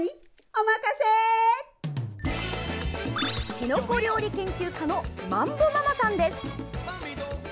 きのこ料理研究家のまんぼママさんです。